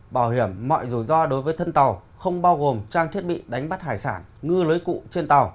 bảo hiểm mọi rủi ro đối với thân tàu không bao gồm trang thiết bị đánh bắt hải sản ngư lưới cụ trên tàu